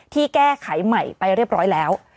ที่แก้ไขใหม่ไปเรียบร้อยแล้ว